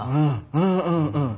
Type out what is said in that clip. うんうんうん。